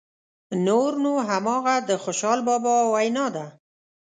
نور نو همغه د خوشحال بابا وینا ده.